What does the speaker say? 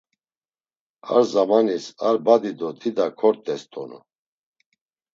Ar zamanis ar badi do dida kort̆es donu.